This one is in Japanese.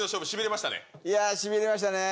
しびれましたね。